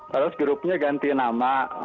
terus grupnya ganti nama